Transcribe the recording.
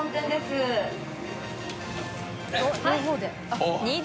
あっ！